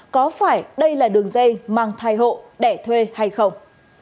có phải đây là đường dây mang thai hộ đẻ thuê hay không